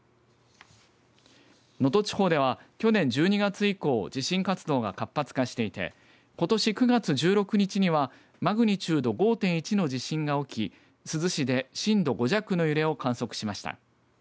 能登地方では去年１２月以降地震活動が活発化していてことし９月１６日にはマグニチュード５．１の地震が起き珠洲市で震度５弱の揺れを観測しました。